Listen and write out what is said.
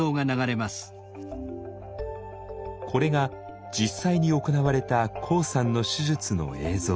これが実際に行われたＫＯＯさんの手術の映像。